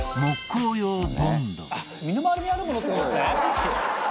「あっ身の回りにあるものっていう事ですね？」